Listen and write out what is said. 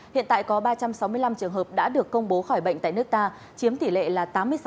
hiện tại có ba trăm sáu mươi năm trường hợp đã được công bố khỏi bệnh tại nước ta chiếm tỷ lệ là tám mươi sáu